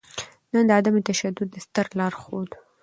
نــن د عـدم تـشدود د ســتــر لارښــود